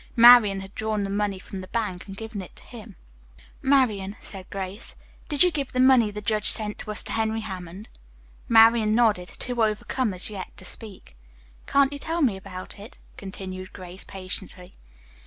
Marian had drawn the money from the bank and given it to him. "Marian," asked Grace, "did you give the money the judge sent us to Henry Hammond?" Marian nodded, too overcome as yet to speak. "Can't you tell me about it?" continued Grace patiently.